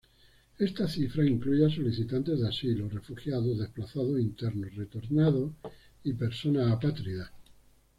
Esta cifra incluye a solicitantes de asilo, refugiados, desplazados internos, retornados y personas apátridas.